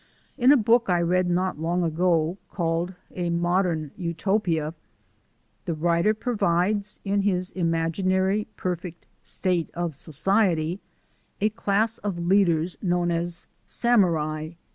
In a book I read not long ago, called "A Modern Utopia," the writer provides in his imaginary perfect state of society a class of leaders known as Samurai.